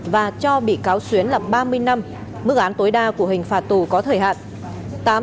và cho bị cáo xuyến là ba mươi năm mức án tối đa của hình phạt tù có thời hạn